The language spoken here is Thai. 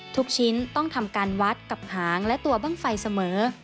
ทุกชิ้นต้องทำการวัดกับหางและตัวบ้างไฟเสมอ